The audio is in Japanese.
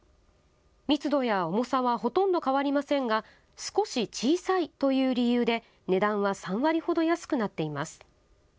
密度や重さはほとんど変わりませんが少し小さいという理由で値段は３割ほど安くなっています。